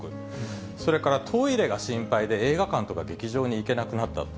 それから、トイレが心配で、映画館とか劇場に行けなくなった。